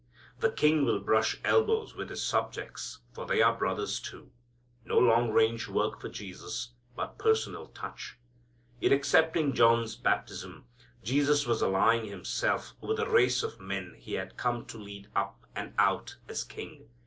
The King will brush elbows with His subjects, for they are brothers too. No long range work for Jesus, but personal touch. In accepting John's baptism, Jesus was allying Himself with the race of men He had come to lead up, and out, as King.